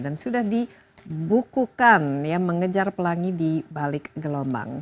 dan sudah dibukukan ya mengejar pelangi di balik gelombang